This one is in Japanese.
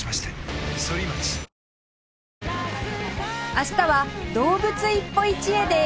明日はどうぶつ一歩一会です